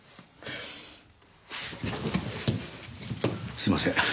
すみません。